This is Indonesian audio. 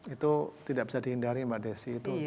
itu tidak bisa dihindari mbak desi